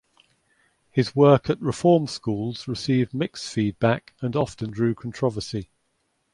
His work at reform schools received mixed feedback and often drew controversy.